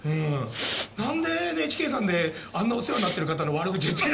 何でＮＨＫさんであんなお世話になってる方の悪口言って。